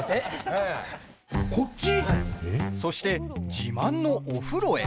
そして、自慢のお風呂へ。